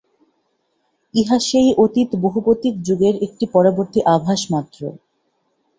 ইহা সেই অতীত বহুপতিক যুগের একটা পরবর্তী আভাসমাত্র।